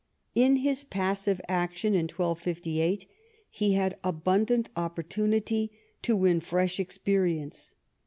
In his passive action in 1258 he had abundant opportunity to win fresh experience.